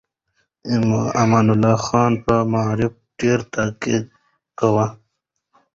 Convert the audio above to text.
امان الله خان په معارف ډېر تاکيد کاوه.